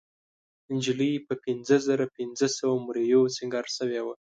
نجلۍ په پينځهزرهپینځهسوو مریو سینګار شوې وه.